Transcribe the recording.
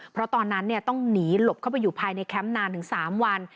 เพราะตอนนั้นต้องหนีหลบเข้าไปอยู่ภายในแคมป์นานถึง๓วัน